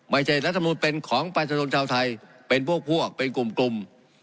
ไม่ใช่รัฐมนุษย์เป็นของประชาชนชาวไทยเป็นพวกพวกเป็นกลุ่มกลุ่ม